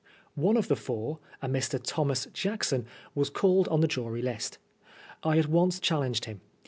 One of the four, a Mr Thomas Jackson, was called on the jury list. I at once challenged him.